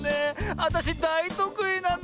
あたしだいとくいなの。